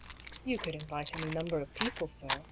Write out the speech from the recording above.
" You could invite any number of people, sir.